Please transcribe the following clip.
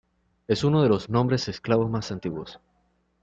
Es uno de los nombres eslavos más antiguos.